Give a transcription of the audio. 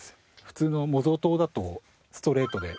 普通の模造刀だとストレートで。